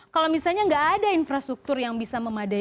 kalau misalnya nggak ada infrastruktur yang bisa memadai